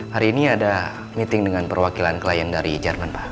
hari ini ada meeting dengan perwakilan klien dari jerman pak